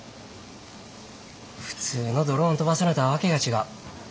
普通のドローン飛ばすのとは訳が違う。